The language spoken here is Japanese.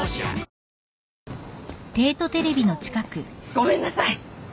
ごめんなさい！